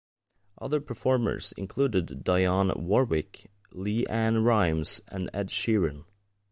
Other performers included Dionne Warwick, LeAnn Rimes and Ed Sheeran.